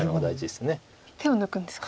手を抜くんですか。